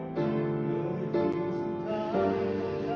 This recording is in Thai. ขอบคุณครับ